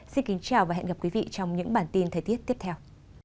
xin kính chào và hẹn gặp lại quý vị trong những bản tin thời tiết tiếp theo